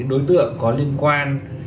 đối tượng có liên quan